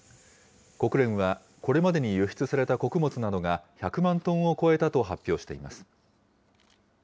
国連はこれまでに輸出された穀物などが、１００万トンを超えたと発表しています。